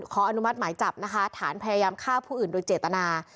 ขออนุมัติหมายจับนะคะฐานพยายามฆ่าผู้อื่นโดยเจตนา